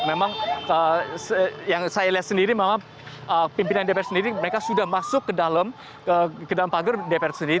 memang yang saya lihat sendiri memang pimpinan dpr sendiri mereka sudah masuk ke dalam pagar dpr sendiri